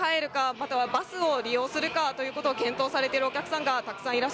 またはバスを利用するかということを検討されているお客さんがた